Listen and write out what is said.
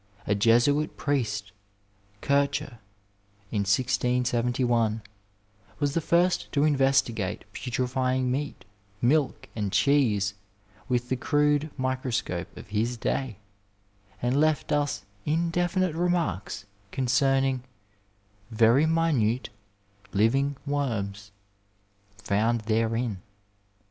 A Jesuit priest, Kircher, in 1671, was the first to investi gate putrefying meat, milk, and cheese with the crude microscope of his day, and left us indefinite remarks con cerning " very minute living worms " found therein.